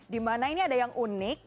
di mana ini ada yang unik